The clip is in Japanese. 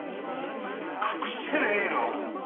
隠してねえよ。